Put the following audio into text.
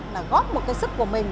là góp một cái sức của mình